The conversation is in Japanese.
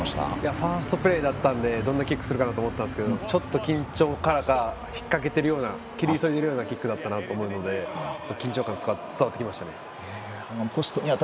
ファーストプレーだったのでどんなキックするかと思ったんですがちょっと緊張からか引っ掛けているような蹴り急いでいるようなキックだったなと思うので緊張感が伝わってきましたね。